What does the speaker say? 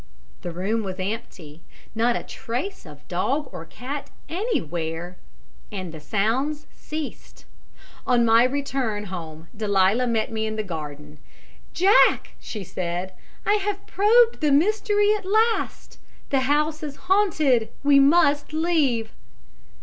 The room was empty not a trace of a cat or dog anywhere and the sounds ceased! On my return home Delia met me in the garden. 'Jack!' she said, 'I have probed the mystery at last. The house is haunted! We must leave.'